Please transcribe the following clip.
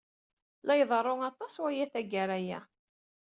La iḍerru aṭas waya, tagara-a.